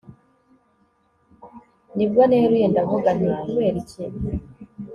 ni bwo neruye ndavuga nti kuberiki